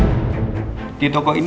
mbak dia sendirian kesini